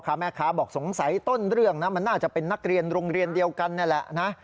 นี่พ่อค้าแม่ค้าบอกสงสัยต้นเรื่องน่าจะเป็นนักเรียนโรงเรียนเดียวกันนี่แหละ